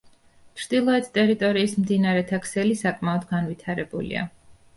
ჩრდილოეთ ტერიტორიის მდინარეთა ქსელი საკმაოდ განვითარებულია.